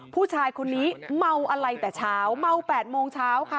ผู้ชายคนนี้เมาอะไรแต่เช้าเมา๘โมงเช้าค่ะ